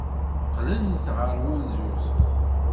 Qqlent ɣer wulzuz.